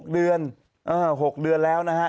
๖เดือน๖เดือนแล้วนะฮะ